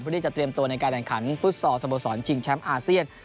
เพื่อที่จะเตรียมตัวในการแข่งขันฟู้ดสอร์สโมสรจิงแชมป์อาเซียน